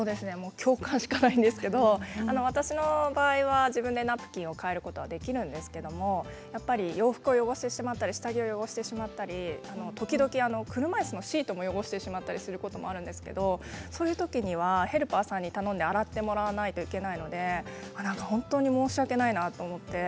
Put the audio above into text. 共感しかないんですけど私の場合は自分でナプキンを替えることができるんですけれどもやっぱり洋服を汚してしまったり下着を汚してしまったり、時々車いすのシートも汚してしまったりすることがあるんですけどそういうときにはヘルパーさんに頼んで洗ってもらわないといけないので本当に申し訳ないなと思って。